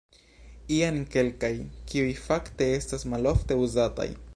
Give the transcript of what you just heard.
Jen kelkaj, kiuj fakte estas malofte uzataj.